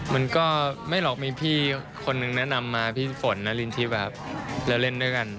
มันก็ไม่หรอกมีพี่คนนึงแนะนำมาพี่ฝนนารินทิแบบแล้วเล่นด้วยกัน